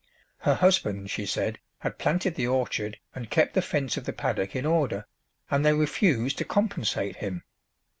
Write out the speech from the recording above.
Her husband, she said, had planted the orchard and kept the fence of the paddock in order, and they refused to compensate him!